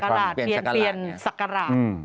คือเปลี่ยนสักกราศ